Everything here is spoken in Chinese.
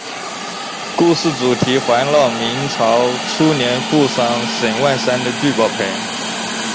故事主题环绕明朝初年富商沈万三的聚宝盆。